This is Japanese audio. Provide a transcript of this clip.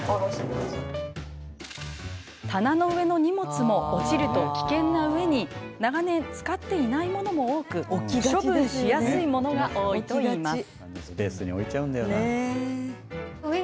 棚の上の荷物も落ちると危険なうえに長年、使っていないものも多く処分しやすい物が多いといいます。